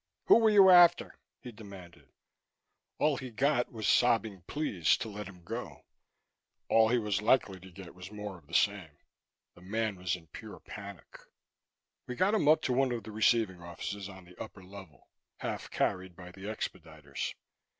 "Who were you after?" he demanded. All he got was sobbing pleas to let him go; all he was likely to get was more of the same. The man was in pure panic. We got him up to one of the receiving offices on the upper level, half carried by the expediters.